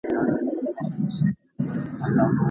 د لاس لیکنه د عملي کارونو د پیلولو بنسټ دی.